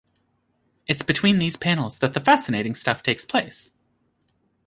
It's between these panels that the fascinating stuff takes place.